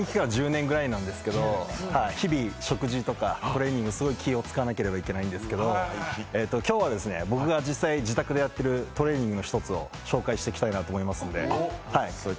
１０年ぐらい何ですけど、日々、食事とかトレーニングすごい気を使わなければならないんですけど、今日は僕が実際、自宅でやってるトレーニングの１つを紹介したいと思います。